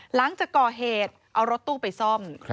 หลังจากก่อเหตุเอารถตู้ไปซ่อม